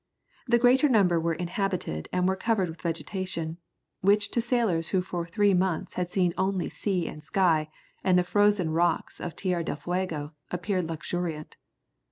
The greater number were inhabited and were covered with vegetation, which to sailors who for three months had seen only sea and sky, and the frozen rocks of Tierra del Fuego, appeared luxuriant.